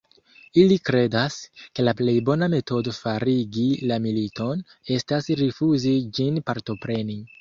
Ili kredas, ke la plej bona metodo forigi la militon, estas rifuzi ĝin partopreni.